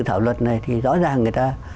thảo luật này thì rõ ràng người ta